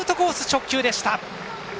直球でした。